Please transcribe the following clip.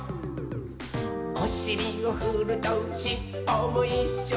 「おしりをふるとしっぽもいっしょに」